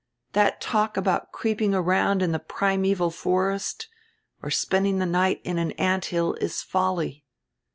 That talk about creeping around in die primeval forest or spending die night in an ant hill is folly.